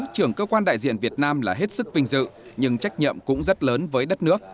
trưởng cơ quan đại diện việt nam là hết sức vinh dự nhưng trách nhiệm cũng rất lớn với đất nước